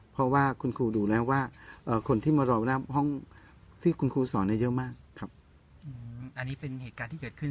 เพราะว่าคุณครูดูแล้วว่าคนที่มารอหน้าห้องที่คุณครูสอนเยอะมากครับอันนี้เป็นเหตุการณ์ที่เกิดขึ้น